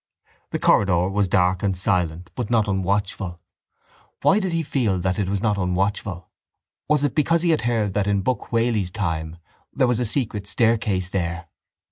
The corridor was dark and silent but not unwatchful. Why did he feel that it was not unwatchful? Was it because he had heard that in Buck Whaley's time there was a secret staircase there?